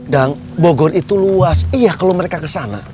dang bogor itu luas iya kalau mereka kesana